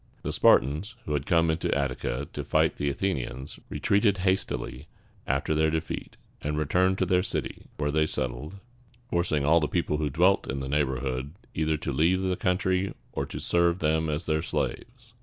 The Spartans, who had come into Attica to fight the Athenians, retreated hastily after their defeat, and returned to their city, where they settled, forcing all the people who dwelt in the neighborhood either to leave the country or to serve them as their slaves.